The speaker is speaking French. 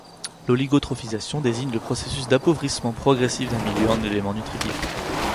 L'oligotrophisation désigne le processus d'appauvrissement progressif d'un milieu en éléments nutritifs.